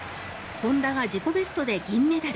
本多が自己ベストで銀メダル。